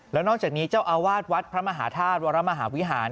แล้วนอกจากนี้เจ้าอาวาสวัดพระมหาธาตุวรมหาวิหาร